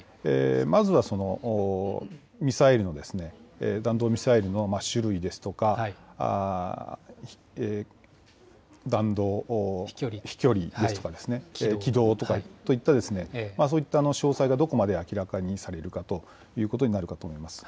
まずはミサイルの、弾道ミサイルの種類ですとか、弾道、飛距離ですとか、軌道といった、そういった詳細がどこまで明らかにされるかということになるかと思われます。